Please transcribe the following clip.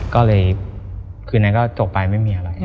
ก็เลยคืนนั้นก็จบไปไม่มีอะไร